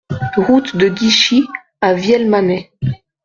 Route de Guichy à Vielmanay